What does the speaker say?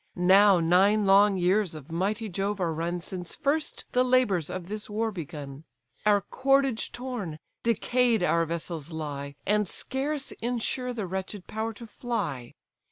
Now nine long years of mighty Jove are run, Since first the labours of this war begun: Our cordage torn, decay'd our vessels lie, And scarce insure the wretched power to fly.